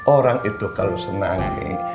orang itu kalau senang